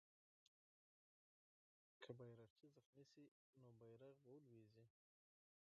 که بیرغچی زخمي سي، نو بیرغ به ولويږي.